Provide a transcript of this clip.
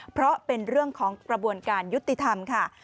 เพราะเป็นเรื่องของกระบวนการยุติธรรมค่ะ